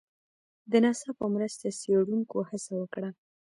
د ناسا په مرسته څېړنکو هڅه وکړه